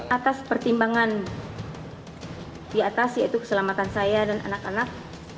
atas pertimbangan di atas yaitu keselamatan saya dan anak anak